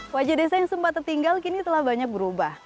wajah desa yang sempat tertinggal kini telah banyak berubah